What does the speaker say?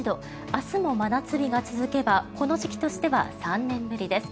明日も真夏日が続けばこの時期としては３年ぶりです。